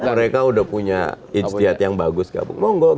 mereka udah punya ijtihad yang bagus gabung